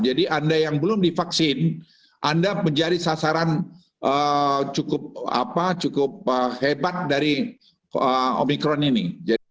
jadi anda yang belum divaksin anda menjadi sasaran cukup hebat dari omicron ini